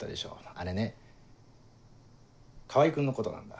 あれね川合君のことなんだ。